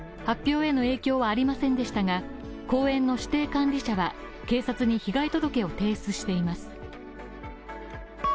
発表への影響はありませんでしたが公園の指定管理者は警察に被害届を提出しています。